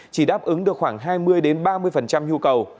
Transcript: chỉ đáp ứng được khoảng hai mươi ba mươi nhu cầu